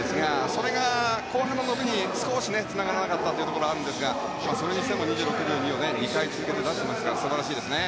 それが、後半の伸びに、少しつながらなかったところはありますがそれにしても２６秒２を２回続けて出してますから素晴らしいですね。